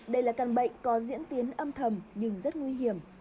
đây là căn bệnh có diễn tiến âm thầm nhưng rất nguy hiểm